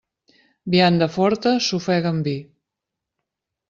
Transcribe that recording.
Vianda forta, s'ofega amb vi.